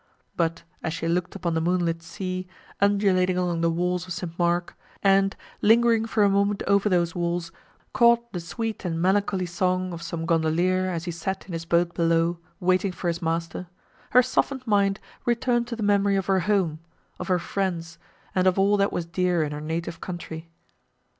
But, as she looked upon the moonlight sea, undulating along the walls of St. Mark, and, lingering for a moment over those walls, caught the sweet and melancholy song of some gondolier as he sat in his boat below, waiting for his master, her softened mind returned to the memory of her home, of her friends, and of all that was dear in her native country.